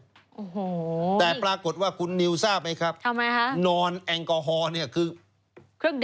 โอ้โหแต่ปรากฏว่าคุณนิวทราบไหมครับนอนแอลกอฮอล์เนี่ยคือ